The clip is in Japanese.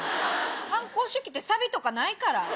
犯行手記ってサビとかないから。